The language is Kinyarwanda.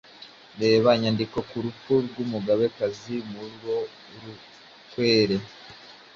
reba innyandiko ku rupfu rw’Umugabekazi Murorunkwere